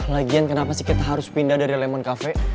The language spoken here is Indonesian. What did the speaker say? lagian kenapa sih kita harus pindah dari lemon cafe